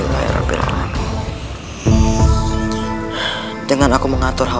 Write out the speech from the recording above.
aku tidak peduli